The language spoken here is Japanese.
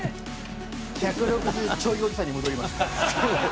１６０ちょいおじさんに戻りました。